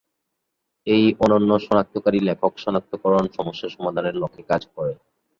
এই অনন্য শনাক্তকারী লেখক শনাক্তকরণ সমস্যা সমাধানের লক্ষ্যে কাজ করে।